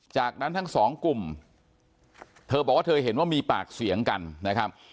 จากนั้นทั้งสองกลุ่มเธอบอกว่าเธอเห็นว่ามีปากเสียงกันนะครับ